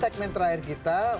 ini segmen terakhir kita